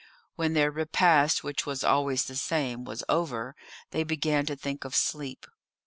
When their repast, which was always the same, was over, they began to think of sleep.